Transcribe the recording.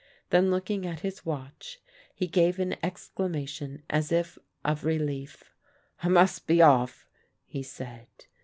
Then looking at his watch he gave an exclamation as if of relief. "I must be oflf," he said.